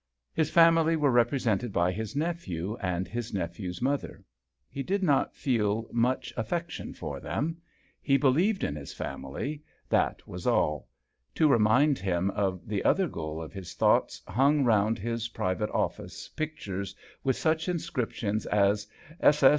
His family were represented by his nephew and his nephew's mother. He did not feel much affection for them. He believed in his family that JOHN SHERMAN. 47 r as all. To remind him of the ther goal of his thoughts hung nd his private office pictures ath such inscriptions as " S.